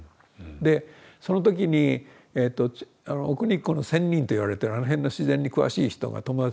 でその時に奥日光の仙人といわれてるあの辺の自然に詳しい人が友達にいまして。